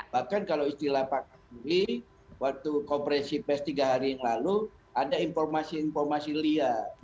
bahkan kalau istilah pak kapili waktu komprensi pes tiga hari yang lalu ada informasi informasi liar